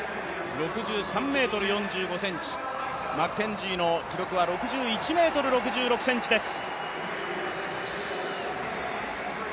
６３ｍ４５ｃｍ、マッケンジーの記録は６１ｍ６６ｃｍです。